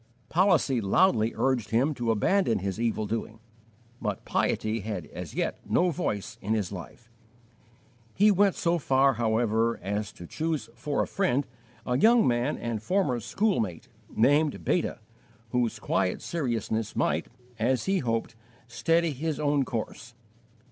Policy loudly urged him to abandon his evil doing, but piety had as yet no voice in his life. He went so far, however, as to choose for a friend a young man and former schoolmate, named Beta, whose quiet seriousness might, as he hoped, steady his own course.